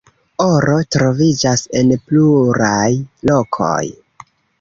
Oro troviĝas en pluraj lokoj.